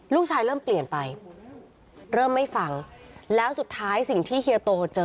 เริ่มเปลี่ยนไปเริ่มไม่ฟังแล้วสุดท้ายสิ่งที่เฮียโตเจอ